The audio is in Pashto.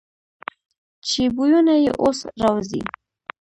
چې بویونه یې اوس را وځي.